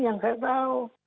yang saya tahu